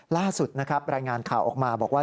ล่าสุดนะครับรายงานข่าวออกมาบอกว่า